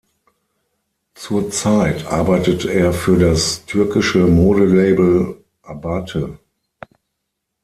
Zurzeit arbeitet er für das türkische Modelabel „Abbate“.